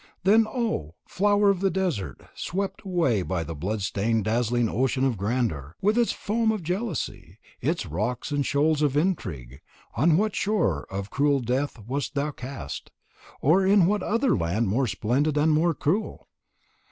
Then, O, thou flower of the desert, swept away by the blood stained dazzling ocean of grandeur, with its foam of jealousy, its rocks and shoals of intrigue, on what shore of cruel death wast thou cast, or in what other land more splendid and more cruel?